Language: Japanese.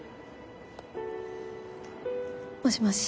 もしもし。